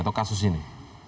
atau kasus ini